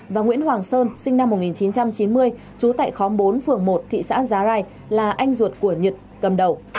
và nguyễn hoàng sơn sinh năm một nghìn chín trăm chín mươi trú tại khóm bốn phường một thị xã giá rai là anh ruột của nhật cầm đầu